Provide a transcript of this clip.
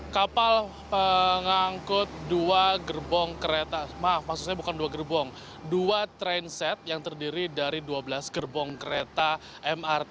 kapal mengangkut dua gerbong kereta maaf maksudnya bukan dua gerbong dua train set yang terdiri dari dua belas gerbong kereta mrt